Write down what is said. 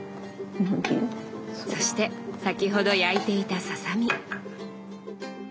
そして先ほど焼いていたささみ。